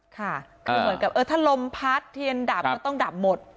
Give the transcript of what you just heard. ค่ะคือเหมือนกับถ้าลมพัดเทียนดับก็ต้องดับหมด